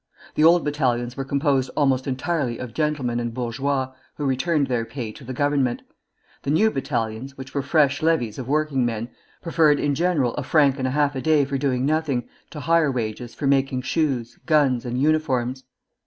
The Old Battalions were composed almost entirely of gentlemen and bourgeois, who returned their pay to the Government; the New Battalions, which were fresh levies of working men, preferred in general a franc and a half a day for doing nothing, to higher wages for making shoes, guns, and uniforms.